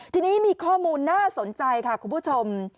ทีนี้มีข้อมูลน่าสนใจค่ะคุณผู้ชม